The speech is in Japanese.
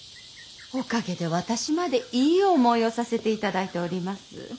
おかげで私までいい思いをさせていただいております。